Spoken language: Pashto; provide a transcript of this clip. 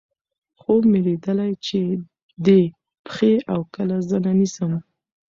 خوب مې ليدلے چې دې پښې اؤ کله زنه نيسم